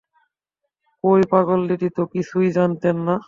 কই পাগলদিদি তো কিছু জানতেন না?